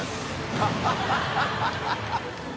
ハハハ